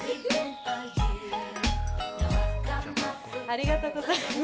ありがとうございます。